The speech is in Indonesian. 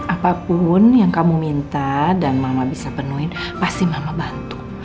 apapun yang kamu minta dan mama bisa penuhin pasti mama bantu